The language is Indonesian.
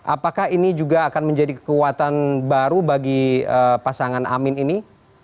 apakah ini juga akan menjadi kekuatan baru bagi pasangan amin ini